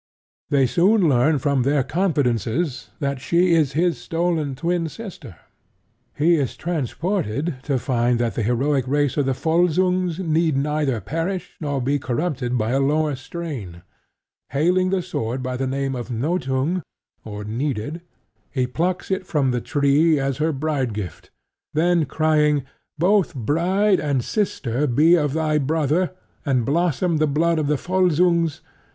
They soon learn from their confidences that she is his stolen twin sister. He is transported to find that the heroic race of the Volsungs need neither perish nor be corrupted by a lower strain. Hailing the sword by the name of Nothung (or Needed), he plucks it from the tree as her bride gift, and then, crying "Both bride and sister be of thy brother; and blossom the blood of the Volsungs!"